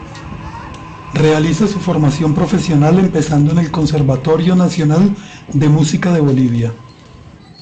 Realiza su formación profesional empezando en el Conservatorio Nacional de Música de Bolivia.